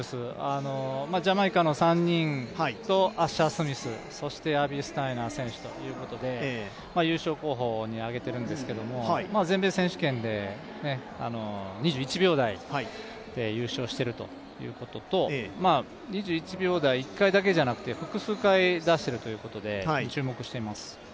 ジャマイカの３人と、アッシャー・スミス、そしてアビー・スタイナー選手ということで優勝候補に挙げているんすけど全米選手権で２１秒台で優勝しているということと２１秒台、１回だけじゃなくて、複数回出しているということで、注目しています。